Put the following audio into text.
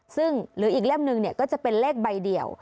ซึ่งหรืออีกเล่มหนึ่งก็จะเป็นเลขใบเดียว